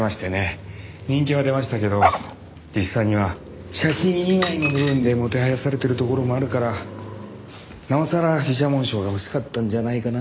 人気は出ましたけど実際には写真以外の部分でもてはやされてるところもあるからなおさら美写紋賞が欲しかったんじゃないかなあ。